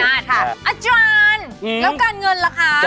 อาจารย์แล้วการเงินล่ะคะ